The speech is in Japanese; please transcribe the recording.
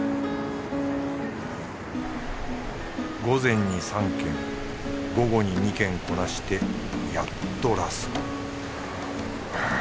午前に３件午後に２件こなしてやっとラスト